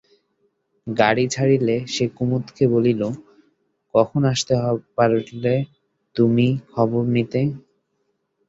গাড়ি ছাড়িলে সে কুমুদকে বলিল, কখনো আসতে পাররে না তুমি খবর নিতে।